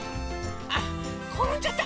あころんじゃった。